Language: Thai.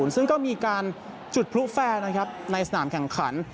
ซึ่งก็มีการจุดพลุแฟร์นะครับในสนามแข่งขัน